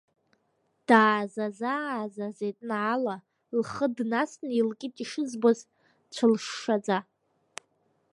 Даазаза-аазазеит Наала, лхы днасны илкит ишызбоз, дцәылшшаӡа.